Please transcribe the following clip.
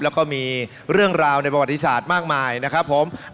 แล้วก็มีเรื่องราวในประวัติศาสตร์มากมายนะครับผม